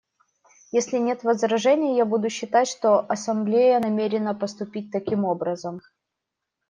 Если нет возражений, я буду считать, что Ассамблея намерена поступить таким образом.